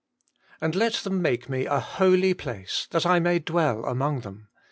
Holiness anfc ' And let them make me a holy place, that I may dwell among them.